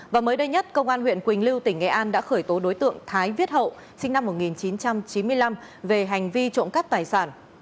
và mới đây nhất công an huyện quỳnh lưu tỉnh nghệ an đã khởi tố đối tượng thái viết hậu sinh năm một nghìn chín trăm chín mươi năm về hành vi trộm cắp tài sản